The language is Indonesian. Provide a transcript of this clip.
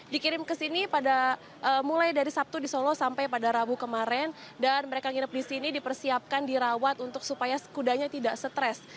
dikirim ke sini mulai dari sabtu di solo sampai pada rabu kemarin dan mereka nginep di sini dipersiapkan dirawat supaya kudanya tidak stres